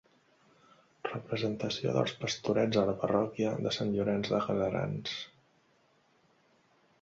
Representació dels Pastorets a la parròquia de Sant Llorenç de Gaserans.